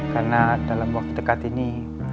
karena dalam waktu dekat ini